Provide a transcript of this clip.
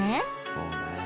そうね